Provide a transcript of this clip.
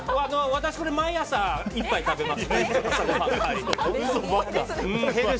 私これ毎朝１杯食べます。